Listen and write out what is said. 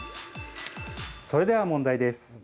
それでは問題です。